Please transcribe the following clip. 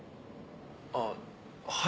あっはい。